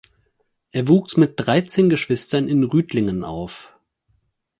Er wuchs mit dreizehn Geschwistern in Rüdlingen auf.